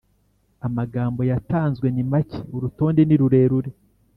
Amagambo yatanzwe ni make, urutonde ni rurerure